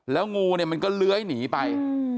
แล้วงูมันก็เล้ยหนีไป